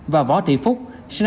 và võ thị phúc